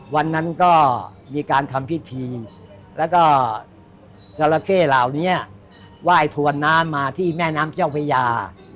วันนั้นก็มีการทำพิธีแล้วก็จราเข้เหล่านี้ไหว้ถวนน้ำมาที่แม่น้ำเจ้าพญา